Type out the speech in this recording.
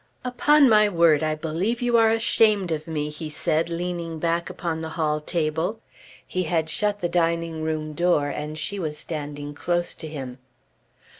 "Upon my word I believe you are ashamed of me," he said leaning back upon the hall table. He had shut the dining room door and she was standing close to him.